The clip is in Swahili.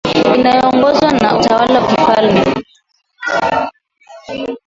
inayoongozwa na utawala wa kifalme